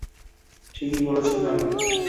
ঠিকই বলেছ, জানো।